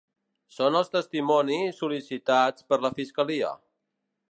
Són els testimonis sol·licitats per la fiscalia.